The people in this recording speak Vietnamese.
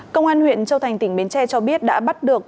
công an huyện châu thành tỉnh bến tre cho biết đã bắt được